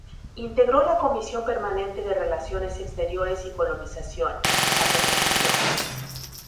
Integró la Comisión Permanente de Relaciones Exteriores y Colonización, la que presidió.